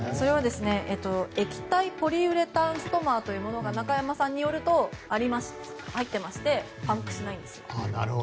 液体ポリウレタン・ストマーというものが中山さんによると入っていましてパンクしないんです。